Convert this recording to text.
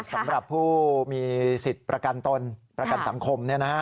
สำหรับผู้มีสิทธิ์ประกันตนประกันสังคม